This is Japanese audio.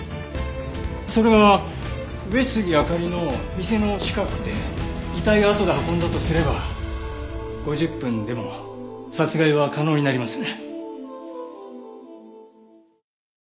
それが上杉明里の店の近くで遺体をあとで運んだとすれば５０分でも殺害は可能になりますね。